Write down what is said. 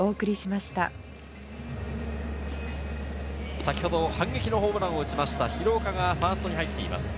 先ほど反撃のホームランを打った廣岡がファーストに入っています。